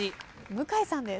向井さんです。